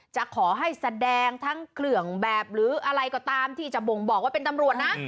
จะขอให้แสดงทั้งเครื่องแบบหรืออะไรก็ตามที่จะบ่งบอกว่าเป็นตำรวจนะ